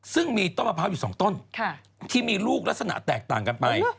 ซึ่งมีต้นมะพร้าวอยู่๒ต้นที่มีลูกลักษณะแตกต่างกันไป